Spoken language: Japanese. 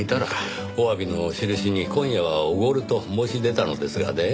おわびの印に今夜はおごると申し出たのですがね